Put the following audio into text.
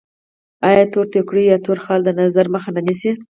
آیا تور ټیکری یا تور خال د نظر مخه نه نیسي؟